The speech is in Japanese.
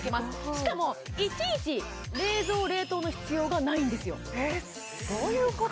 しかもいちいち冷蔵・冷凍の必要がないんですよどういうこと？